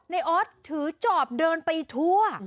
ออสถือจอบเดินไปทั่ว